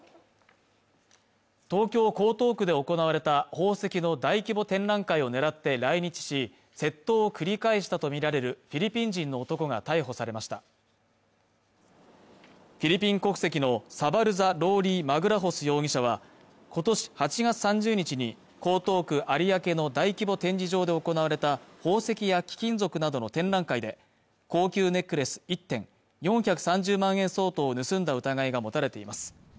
東京江東区で行われた宝石の大規模展覧会を狙って来日し窃盗を繰り返したと見られるフィリピン人の男が逮捕されましたフィリピン国籍のサバルザ・ローリー・マぐラホス容疑者は今年８月３０日に江東区有明の大規模展示場で行われた宝石や貴金属などの展覧会で高級ネックレス１点４３０万円相当を盗んだ疑いが持たれています